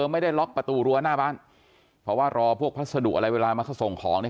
ไม่ได้ล็อกประตูรั้วหน้าบ้านเพราะว่ารอพวกพัสดุอะไรเวลามาเขาส่งของเนี่ย